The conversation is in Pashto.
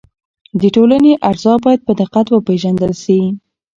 د ټولنې اجزا باید په دقت وپېژندل شي.